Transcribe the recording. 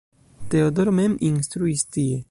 Teodoro mem instruis tie.